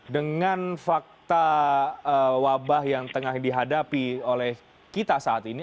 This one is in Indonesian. dengan fakta wabah yang tengah dihadapi oleh kita saat ini